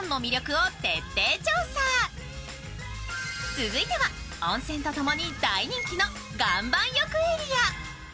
続いては、温泉とともに大人気の岩盤浴エリア。